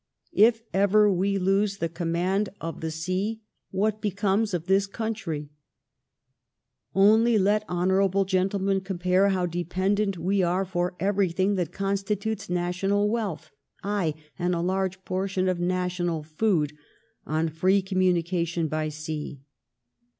If ever we lose the command of the sea, what becomes of this country ? Only let hon. gentlemen compare how dependent we are for everything that constitutes national wealth — aye, and a large portion of national food, on free commimication by sea.